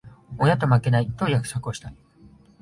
親と負けない、と約束した。